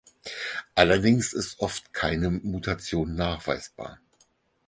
Allerdings ist oft keine Mutation nachweisbar.